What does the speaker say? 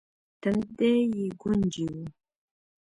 تندی يې ګونجې و.